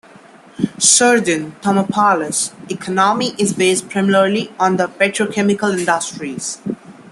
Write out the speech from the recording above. Southern Tamaulipas' economy is based primarily on the petrochemical industries.